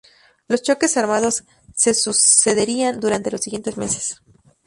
Los choques armados se sucederían durante los siguientes meses.